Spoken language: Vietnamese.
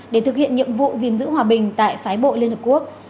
để thực hiện nhiệm vụ gìn giữ hòa bình tại phái bộ liên hợp quốc